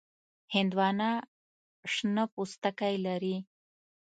هندوانه شنه پوستکی لري.